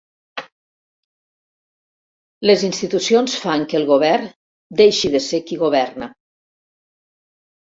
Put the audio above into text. Les institucions fan que el Govern deixi de ser qui governa.